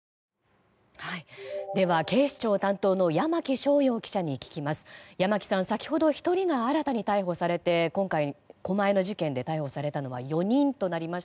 では警視庁担当の山木翔遥記者に聞きます。